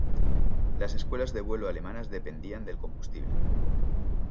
Las escuelas de vuelo alemanas dependían del combustible.